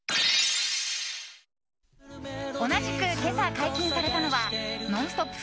同じく今朝解禁されたのは「ノンストップ！」